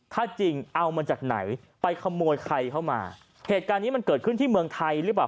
ถ้าจริงเอามาจากไหนไปขโมยใครเข้ามาเหตุการณ์นี้มันเกิดขึ้นที่เมืองไทยหรือเปล่า